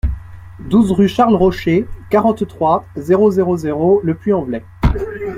douze rue Charles Rocher, quarante-trois, zéro zéro zéro, Le Puy-en-Velay